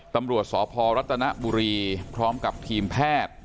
ตำรวจสพรัฐนบุรีพร้อมกับทีมแพทย์